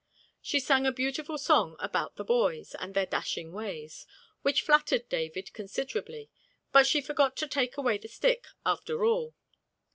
She sang a beautiful song about the Boys and their dashing ways, which flattered David considerably, but she forgot to take away the stick after all.